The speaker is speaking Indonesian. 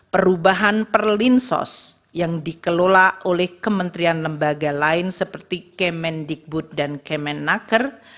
perubahan perlinsos yang dikelola oleh kementerian lembaga lain seperti kemen digbud dan kemen naker